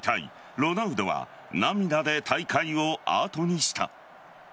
ロナウドは涙で大会を後にした。